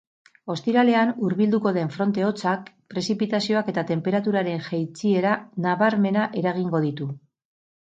Ostiralean hurbilduko den fronte hotzak prezipitazioak eta tenperaturaren jaitsiera nabarmena eragingo ditu.